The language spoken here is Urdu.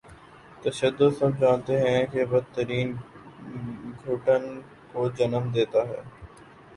تشدد سب جانتے ہیں کہ بد ترین گھٹن کو جنم دیتا ہے۔